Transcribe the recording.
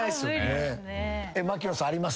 槙野さんあります？